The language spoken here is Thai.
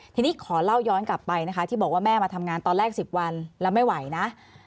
ทีนี้ขอเล่าย้อนกลับไปนะคะที่บอกว่าแม่มาทำงานตอนแรก๑๐วันแล้วไม่ไหวนะ